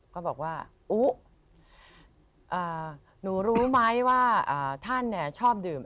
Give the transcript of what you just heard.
ก็บอกว่าอุ๊หนูรู้ไหมว่าท่านชอบดื่ม